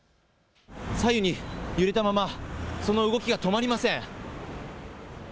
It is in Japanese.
左右に揺れたまま、その動きが止まりません。